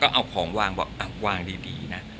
ก็เอาของวางบอกอ่ะวางดีนะ